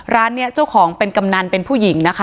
ร้านนี้เจ้าของเป็นกำนันเป็นผู้หญิงนะคะ